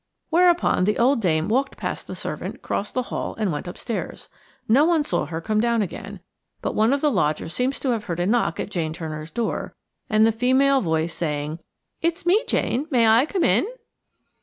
Whereupon the old dame walked past the servant, crossed the hall and went upstairs. No one saw her come down again, but one of the lodgers seems to have heard a knock at Jane Turner's door, and the female voice saying, "It's me, Jane–may I come in?"